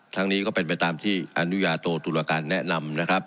นี้ก็เป็นไปตามที่อนุญาโตตุรการแนะนำนะครับ